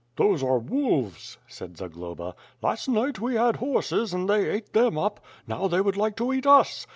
"Those are wolves," said Zagloba; *1ast night we had horses, and they ate them up; now they would like to eat us.